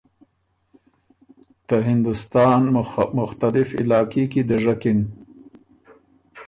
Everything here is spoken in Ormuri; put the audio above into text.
ته هندوستان مختلف علاقي کی دَژکِن